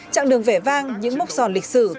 chặng đường vẻ vang những mốc sòn lịch sử